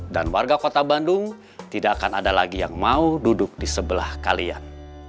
dan warga kota bandung tidak akan ada lagi yang mau duduk di sebelah kalian